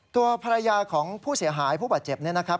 ตัวภรรยาของผู้เสียหายผู้บาดเจ็บเนี่ยนะครับ